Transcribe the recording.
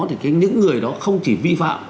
thì những người đó không chỉ vi phạm